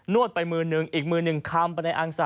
วดไปมือหนึ่งอีกมือหนึ่งคำไปในอังสะ